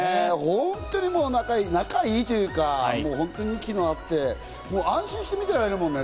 本当に仲が良いというか、息が合っていて、安心して見てられるもんね。